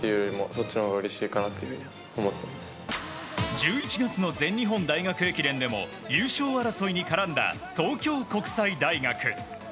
１１月の全日本大学駅伝でも優勝争いに絡んだ東京国際大学。